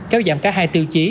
kéo giảm cả hai tiêu chí